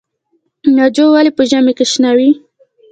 ناجو ولې په ژمي کې شنه وي؟